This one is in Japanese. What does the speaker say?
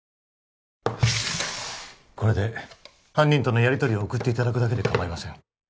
これで犯人とのやりとりを送っていただくだけでかまいません